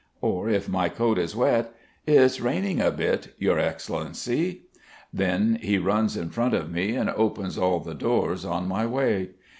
Or if my coat is wet: "It's raining a bit, Your Excellency." Then he runs in front of me and opens all the doors on my way.